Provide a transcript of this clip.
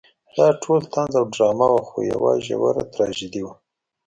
دا ټول طنز او ډرامه وه خو یوه ژوره تراژیدي وه.